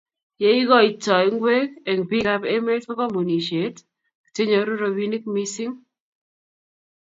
yo igoitoi ungwek eng bikaap emet ko kampunishet chenyoru robinik mising